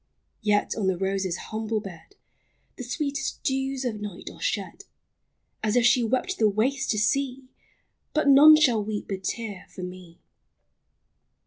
Yet on the rose's humble bed The sweetest dews of night are shed, As if she wept the waste to see, — But none shall weep a tear for me ! LIFE.